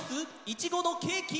いちごのケーキ？